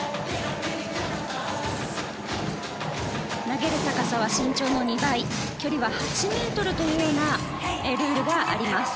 投げる高さは身長の２倍距離は８ｍというようなルールがあります。